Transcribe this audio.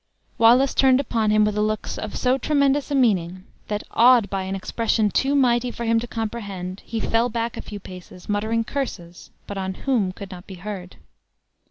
Wallace turned upon him with a look of so tremendous a meaning, that, awed by an expression too mighty for him to comprehend, he fell back a few paces, muttering curses, but on whom could not be heard.